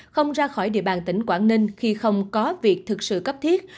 không ra khỏi địa bàn tỉnh quảng ninh khi không có việc thực sự cấp thiết